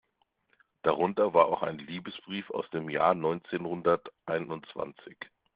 Darunter war auch ein Liebesbrief aus dem Jahr neunzehnhunderteinundzwanzig.